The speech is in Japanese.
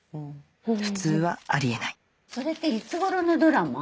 普通はあり得ないそれっていつ頃のドラマ？